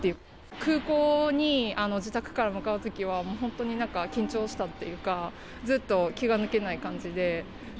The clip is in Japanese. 空港に自宅から向かうときは、もう本当に緊張したっていうか、ずっと気が抜けない感じで。